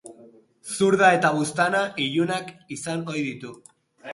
Zurda eta buztana ilunak izan ohi ditu.